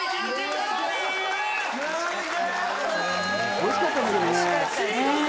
惜しかったんだけどね。